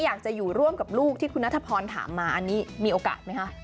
อยากจะอยู่ร่วมกับลูกที่คุณนัทพรถามมาอันนี้มีโอกาสไหมคะ